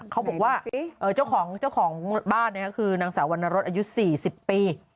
เขาบอกว่าเจ้าของบ้านคือนางสาววรรณรสอายุ๔๐ปี